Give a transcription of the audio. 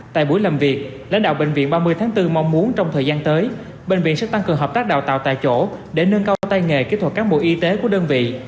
tại buổi làm việc lãnh đạo bệnh viện ba mươi tháng bốn mong muốn trong thời gian tới bệnh viện sẽ tăng cường hợp tác đào tạo tại chỗ để nâng cao tay nghề kỹ thuật cán bộ y tế của đơn vị